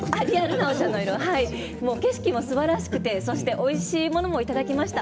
景色もすばらしくておいしいものもいただきました。